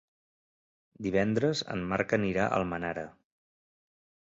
Divendres en Marc anirà a Almenara.